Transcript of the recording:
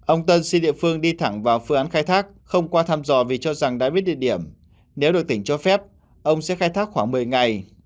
ông tân xin địa phương đi thẳng vào phương án khai thác không qua thăm dò vì cho rằng đã biết địa điểm nếu được tỉnh cho phép ông sẽ khai thác khoảng một mươi ngày